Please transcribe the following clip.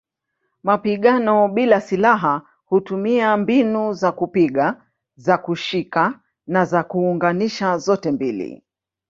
Mapigano bila silaha hutumia mbinu za kupiga, za kushika na za kuunganisha zote mbili.